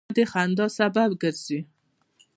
اوبه د خندا سبب ګرځي.